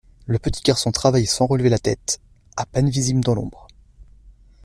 Le petit garçon travaillait sans relever la tête, à peine visible dans l’ombre.